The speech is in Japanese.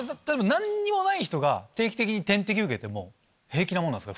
何にもない人が定期的に点滴受けても平気なもんなんですか？